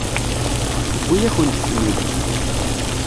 Tewwi-yakent-ten-id.